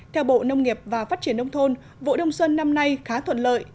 theo bộ nông nghiệp và phát triển nông thôn vụ đông xuân năm nay khá thuận lợi